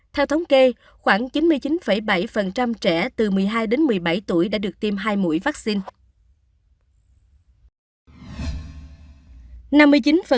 theo thống kê khoảng chín mươi chín bảy trẻ từ một mươi hai đến một mươi bảy tuổi đã được tiêm hai mũi vaccine